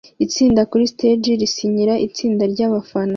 Itsinda kuri stage risinyira itsinda ryabafana